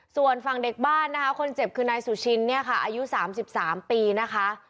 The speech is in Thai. ส่วนฝั่งเด็กบ้านคนเจ็บคือนายสุชินอายุ๓๓ปีนะคะ